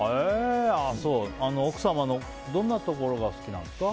奥様のどんなところが好きなんですか？